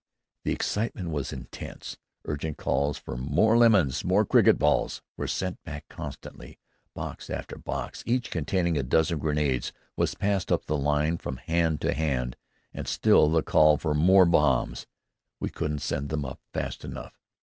The excitement was intense. Urgent calls for "More lemons! More cricket balls!" were sent back constantly. Box after box, each containing a dozen grenades, was passed up the line from hand to hand, and still the call for "More bombs!" We couldn't send them up fast enough.